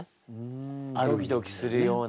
ドキドキするような。